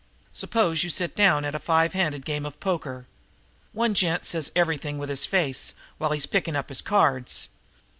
Suppose you sit in at a five handed game of poker. One gent says everything with his face, while he's picking up his cards.